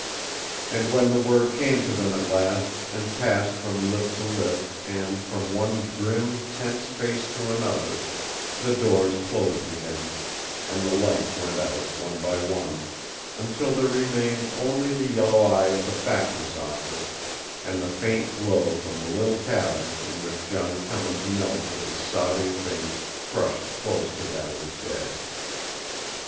And when the word came to them at last, and passed from lip to lip, and from one grim, tense face to another, the doors closed again, and the lights went out one by one, until there remained only the yellow eye of the factor's office and the faint glow from the little cabin in which John Cummins knelt with his sobbing face crushed close to that of his dead.